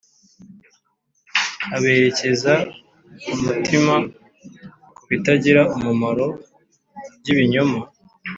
Aberekeza umutima kubitagira umumaro by’ibinyoma